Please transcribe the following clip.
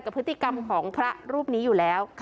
พฤติกรรมของพระรูปนี้อยู่แล้ว